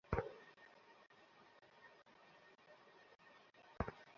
জানাজা শেষে গতকালই তাঁকে মিরপুরের শহীদ বুদ্ধিজীবী কবরস্থানে দাফন করা হয়েছে।